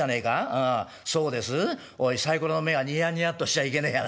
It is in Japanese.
ああ『そうです』？おいサイコロの目がニヤニヤっとしちゃいけねえがな。